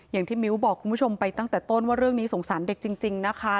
อย่างที่มิ้วบอกคุณผู้ชมไปตั้งแต่ต้นว่าเรื่องนี้สงสารเด็กจริงนะคะ